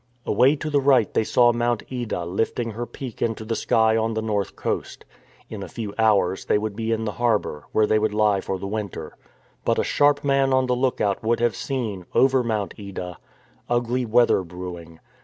Away to the right they saw Mount Ida lifting her peak into the sky on the north coast. In a few hours they would be in the harbour, where they would lie for the winter. But a sharp man on the lookout would have seen, over Mount Ida, ugly weather brew ing.